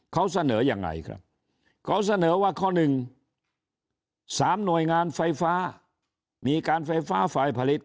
เขาเสนอยังไงครับเขาเสนอว่าข้อ๑๓หน่วยงานไฟฟ้ามีการไฟฟ้าฝ่ายผลิต